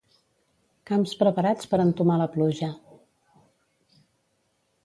Camps preparats per entomar la pluja.